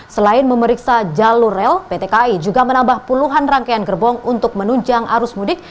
selain memeriksa jalur rel pt kai juga menambah puluhan rangkaian gerbong untuk menunjang arus mudik